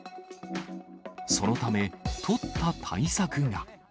そのため、取った対策が。